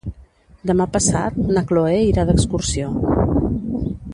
Demà passat na Chloé irà d'excursió.